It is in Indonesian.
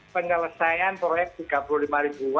penyelesaian proyek rp tiga puluh lima ribu